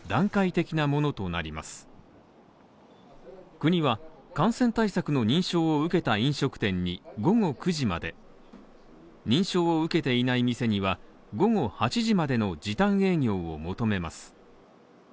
国は感染対策の認証を受けた飲食店に午後９時まで認証を受けていない店には午後８時までの時短営業を求めます。